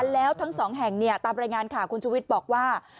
แล้วทั้งสองแห่งตามรายงานข่าวคุณชุวิตบอกว่า